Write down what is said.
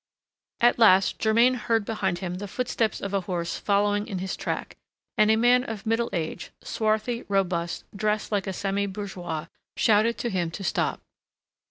At last, Germain heard behind him the footsteps of a horse following in his track, and a man of middle age, swarthy, robust, dressed like a semi bourgeois, shouted to him to stop.